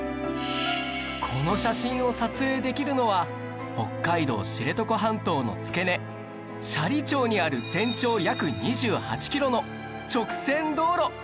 この写真を撮影できるのは北海道知床半島の付け根斜里町にある全長約２８キロの直線道路！